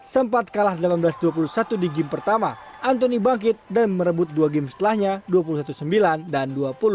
sempat kalah delapan belas dua puluh satu di game pertama antoni bangkit dan merebut dua game setelahnya dua puluh satu sembilan dan dua puluh satu